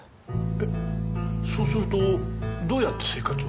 えっそうするとどうやって生活を？